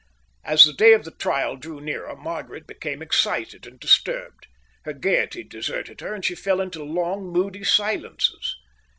As the day of the trial drew nearer, Margaret became excited and disturbed; her gaiety deserted her, and she fell into long, moody silences.